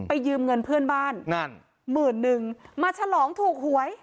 ยืมเงินเพื่อนบ้านนั่นหมื่นนึงมาฉลองถูกหวย